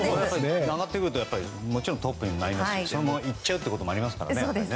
上がってくるとトップになりますしそのままいっちゃうこともありますからね。